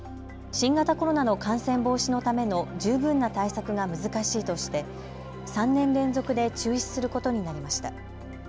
新型コロナの感染防止のための十分な対策が難しいとして３年連続で中止することになりました。